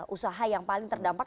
usaha yang paling terdampak